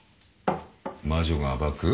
「魔女が暴く」？